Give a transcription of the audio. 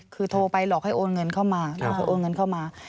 คือโทรไปหลอกให้โอนเงินเข้ามา